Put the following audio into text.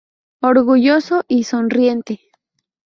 Orgulloso y sonriente.